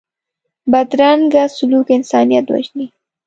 بدرنګه سلوک انسانیت وژني